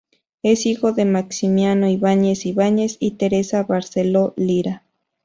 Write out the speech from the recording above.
Es hijo de Maximiano Ibañez Ibañez y Teresa Barceló Lira.